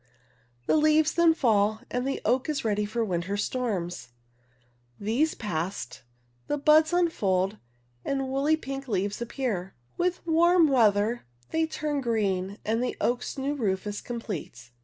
The leaves then fall and the oak is ready for win ter stornis. These passed, the buds unfold and It is stored 59 Woolly pink leaves appear. With warm weather they turn green, and the oak's new roof is complete.